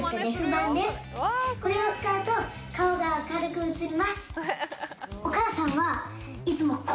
これを使うと顔が明るく映ります。